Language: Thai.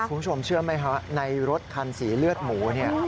คุณผู้ชมเชื่อไหมฮะในรถคันสีเลือดหมูเนี่ย